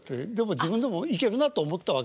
自分でもいけるなと思ったわけですもんね。